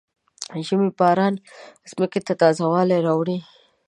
د ژمي باران ځمکې ته تازه والی راوړي.